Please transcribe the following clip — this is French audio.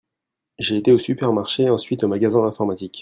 J'ai été au supermarché et ensuite au magasin d'informatique.